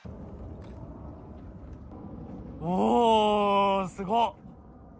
おお、すごっ。